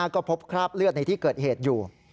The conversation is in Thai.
ก็พบคราบเลือดในที่เกิดเหตุอยู่